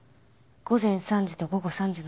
午前３時と午後３時の２回。